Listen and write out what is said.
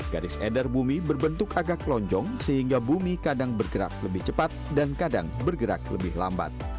garis edar bumi berbentuk agak lonjong sehingga bumi kadang bergerak lebih cepat dan kadang bergerak lebih lambat